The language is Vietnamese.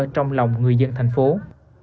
trong lòng người dân tp cn